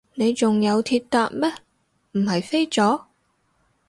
你仲有鐵搭咩，唔係飛咗？